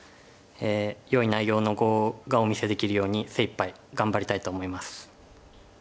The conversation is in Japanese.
よい内容の碁がお見せできるように精いっぱい頑張りたいと思います。